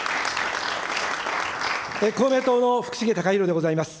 公明党の福重隆浩でございます。